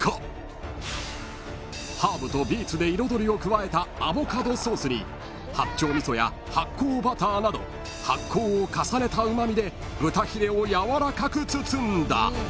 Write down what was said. ［ハーブとビーツで彩りを加えたアボカドソースに八丁味噌や発酵バターなど発酵を重ねたうま味で豚ヒレをやわらかく包んだ］